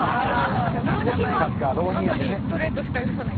ストレートしか許さない。